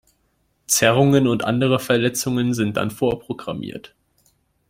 Zerrungen und andere Verletzungen sind dann vorprogrammiert.